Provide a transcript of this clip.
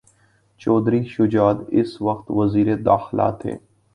چوہدری شجاعت اس وقت وزیر داخلہ تھے۔